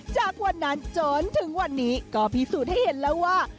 จากวันนั้นจนถึงวันนี้ก็พิสูจน์ให้เห็นแล้วว่า